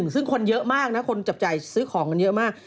ซึ่งคนเยอะมากนะคนจับจ่ายซื้อของกันเยอะมาก